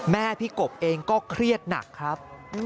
แม่พี่กบเองก็เครียดหนักครับ